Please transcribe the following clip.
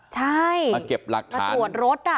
ใช่มาเก็บหลักฐานมาตรวจรถ